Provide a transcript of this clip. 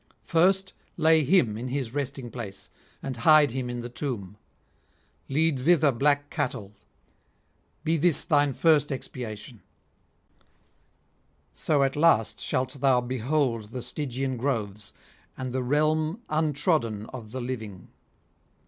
First lay him in his resting place and hide him in the tomb; lead thither black cattle; be this first thine expiation; so at last shalt thou behold the Stygian groves and the realm untrodden of the living.'